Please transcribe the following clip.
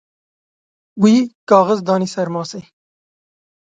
Wî kaxiz danî ser masê.